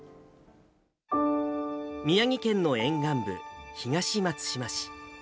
宮城県の沿岸部、東松島市。